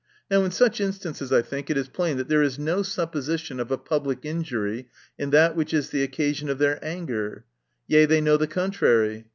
— Now in such instances, I think it is plain, that there is no supposition of a public injury in that which is the occasion of their anger ; yea, they know the contrary.